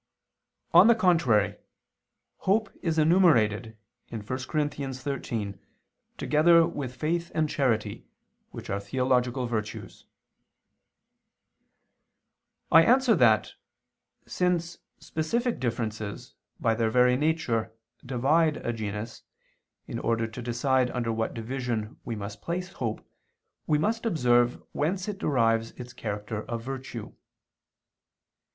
On the contrary, Hope is enumerated (1 Cor. 13) together with faith and charity, which are theological virtues. I answer that, Since specific differences, by their very nature, divide a genus, in order to decide under what division we must place hope, we must observe whence it derives its character of virtue.